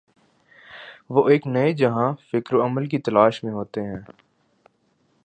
وہ ایک نئے جہان فکر و عمل کی تلاش میں ہوتے ہیں۔